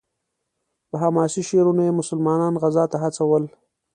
په حماسي شعرونو یې مسلمانان غزا ته هڅول.